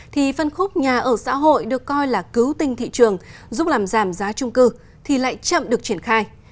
thì phân khúc nhà ở xã hội được coi là cứu tinh thị trường giúp làm giảm giá trung cư thì lại chậm được triển khai